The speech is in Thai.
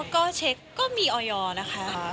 ก็เช็คก็มีออยอร์นะคะ